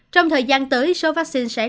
trong thời gian tới số vaccine sẽ đạt được